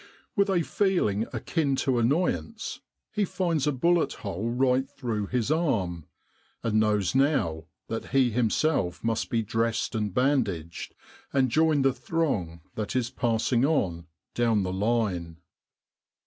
With a feeling akin to annoyance, he finds a bullet hole right through his arm, and knows now that he himself must be dressed and bandaged, and join the throng that is passing on down the line."